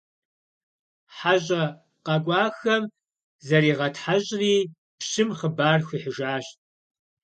ХьэщӀэ къэкӀуахэм заригъэтхьэщӀри пщым хъыбар хуихьыжащ.